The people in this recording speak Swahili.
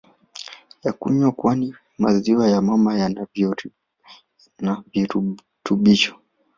ya kunywa kwani maziwa ya mama yanavirutubisho